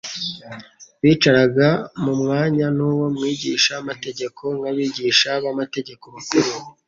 Bicaraga mu mwanya w'uwo mwigisha mategeko nk'abigisha b'amategeko bakuru,